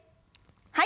はい。